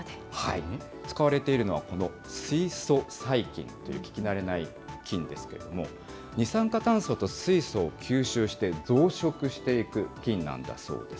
使われているのは、この水素細菌という、聞き慣れない菌ですけれども、二酸化炭素と水素を吸収して増殖していく菌なんだそうです。